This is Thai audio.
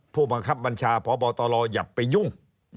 ผู้บังคับบัญชาพบตรอย่าไปยุ่ง